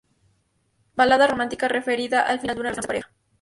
Balada romántica, referida al final de una relación amorosa de pareja.